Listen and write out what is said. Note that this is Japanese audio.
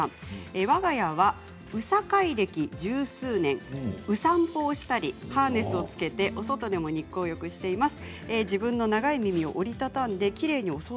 わが家はうさ飼い歴十数年う散歩をしたりハーネスをつけて、お外でも日光浴しています。